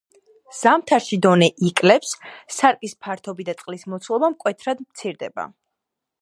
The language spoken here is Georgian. ზამთარში დონე იკლებს, სარკის ფართობი და წყლის მოცულობა მკვეთრად მცირდება.